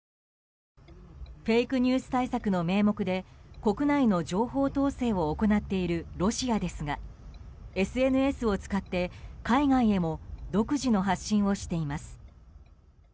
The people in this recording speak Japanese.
フェイクニュース対策の名目で国内の情報統制を行っているロシアですがＳＮＳを使って海外へも独自の発信をしています。